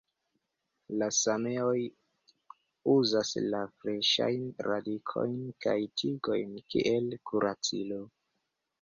La sameoj uzas la freŝajn radikojn kaj tigojn kiel kuracilo.